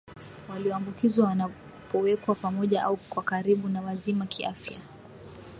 walioambukizwa wanapowekwa pamoja au kwa karibu na wazima kiafya